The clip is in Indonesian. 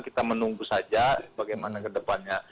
kita menunggu saja bagaimana kedepannya